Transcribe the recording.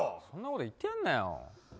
そんなこと言ってやんなよ。